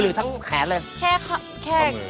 ห้ามเลยโอ้โฮ